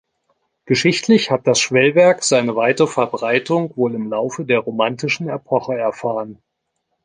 Geschichtlich hat das Schwellwerk seine weite Verbreitung wohl im Laufe der romantischen Epoche erfahren.